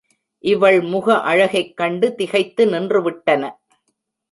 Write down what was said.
இவள் முக அழகைக் கண்டு திகைத்து நின்றுவிட்டன.